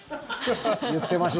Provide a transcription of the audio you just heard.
言ってました。